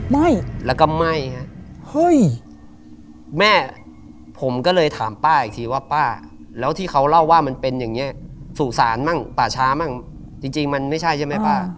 ไหม้แล้วก็ไหม้ฮะเฮ้ยแม่ผมก็เลยถามป้าอีกทีว่าป้าแล้วที่เขาเล่าว่ามันเป็นอย่างนี้สู่ศาลมั่งป่าช้ามั่งจริงมันไม่ใช่ใช่ไหมป้า